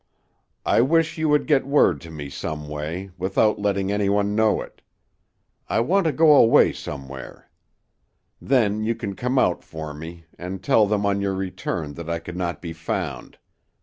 I wish you would get word to me some way, without letting any one know it; I want to go away somewhere. Then you can come out for me, and tell them on your return that I could not be found.